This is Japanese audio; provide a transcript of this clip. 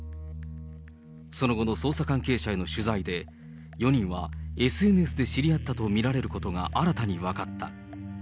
その後の捜査関係者への取材で、４人はＳＮＳで知り合ったとみられることが新たに分かった。